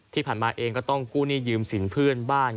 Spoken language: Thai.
ที่ผ่านมาเองก็ต้องกู้หนี้ยืมสินเพื่อนบ้าน